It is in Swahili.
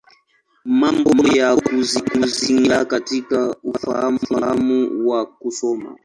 Mambo ya Kuzingatia katika Ufahamu wa Kusoma.